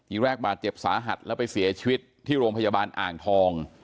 แรกบาดเจ็บสาหัสแล้วไปเสียชีวิตที่โรงพยาบาลอ่างทอง